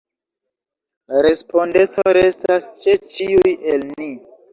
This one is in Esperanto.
La respondeco restas ĉe ĉiuj el ni.